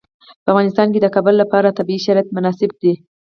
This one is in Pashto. په افغانستان کې د کابل لپاره طبیعي شرایط مناسب دي.